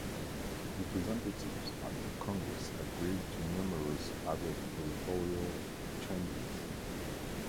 Representatives at the Congress agreed to numerous other territorial changes.